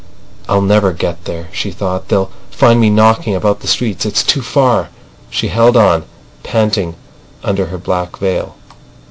"I'll never get there," she thought. "They'll find me knocking about the streets. It's too far." She held on, panting under her black veil.